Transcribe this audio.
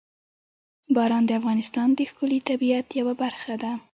باران د افغانستان د ښکلي طبیعت یوه برخه ده.